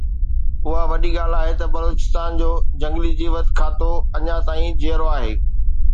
اها وڏي ڳالهه آهي ته بلوچستان جو جهنگلي جيوت کاتو اڃا تائين جيئرو آهي